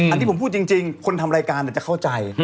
อันนี้ผมพูดจริงคนทำรายการจะเข้าใจ